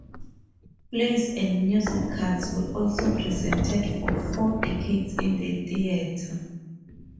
Plays and musicals were also presented for four decades in the theatre.